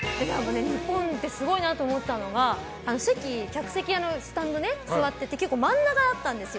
日本ってすごいなと思ったのが客席、スタンド座ってて結構真ん中だったんですよ。